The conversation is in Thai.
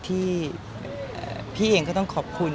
ที่พี่เองก็ต้องขอบคุณ